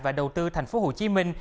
và đầu tư thành phố hồ chí minh